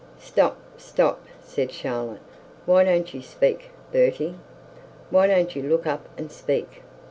'Stop, stop,' said Charlotte; 'why don't you speak, Bertie? Why don't you look up and speak?